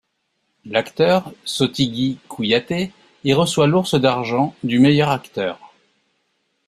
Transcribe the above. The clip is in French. L'acteur Sotigui Kouyaté y reçoit l'Ours d'argent du meilleur acteur.